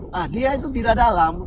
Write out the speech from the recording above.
nah dia itu tidak dalam